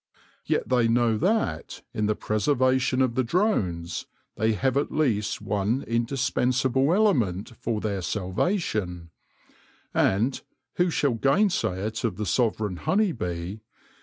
Yet they know that, in the preservation of the drones, they have at least one indispensable element for their salvation, and — who shall gainsay it of the sovereign honey bee